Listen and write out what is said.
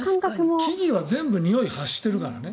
木々は全部においを発しているからね。